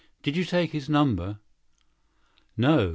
Did you take his number?" "No.